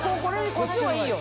こっちのがいいよ。